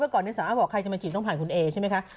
เมื่อก่อนเนี่ยสาวอ้ำเปล่าใครจะมาจีบต้องผ่านคุณเอใช่ไหมคะ